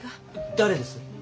誰です？